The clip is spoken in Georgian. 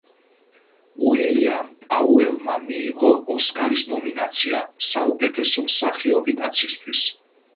უილიამ პაუელმა მიიღო ოსკარის ნომინაცია საუკეთესო მსახიობი კაცისთვის.